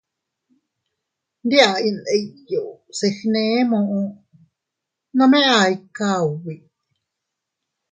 Ndi a innu iyuu se gne muʼu, nome a ikaa ubi.